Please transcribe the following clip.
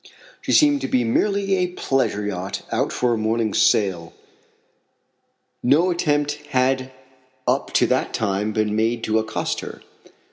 She seemed to be merely a pleasure yacht out for a morning sail. No attempt had up to that time been made to accost her.